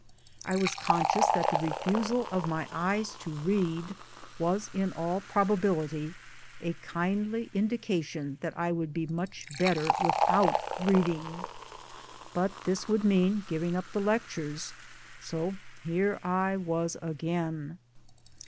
I was con scious that the refusal of my eyes to read was in all probability a kindly indication that I would be much better without reading but this would mean giving up the lectures so here I was again